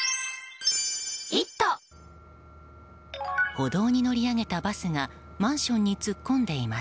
歩道に乗り上げたバスがマンションに突っ込んでいます。